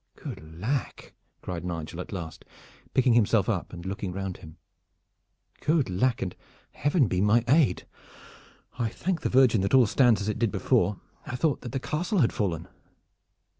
"Good lack!" cried Nigel at last, picking himself up and looking round him. "Good lack, and Heaven be my aid! I thank the Virgin that all stands as it did before. I thought that the castle had fallen."